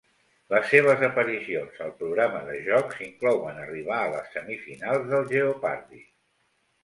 Les seves aparicions al programa de jocs inclouen arribar a les semifinals del Jeopardy!